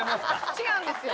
違うんですよ。